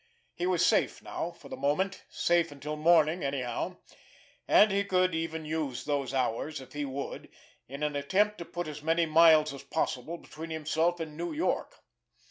He was safe now for the moment, safe until morning anyhow—and he could even use those hours, if he would, in an attempt to put as many miles as possible between himself and New York!